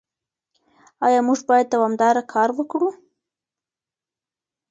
ايا موږ بايد دوامداره کار وکړو؟